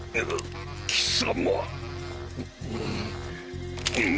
貴様。